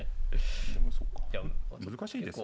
でもそうか難しいですね。